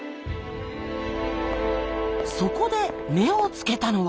そこで目をつけたのは。